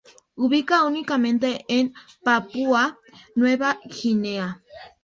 Habita únicamente en Papua Nueva Guinea.